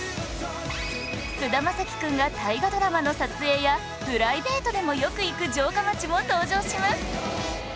菅田将暉くんが大河ドラマの撮影やプライベートでもよく行く城下町も登場します